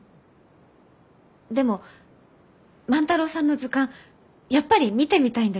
でも万太郎さんの図鑑やっぱり見てみたいんです。